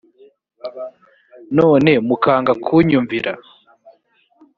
none mukanga kunyumvira